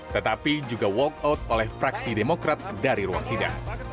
tetapi juga walk out oleh fraksi demokrat dari ruang sidang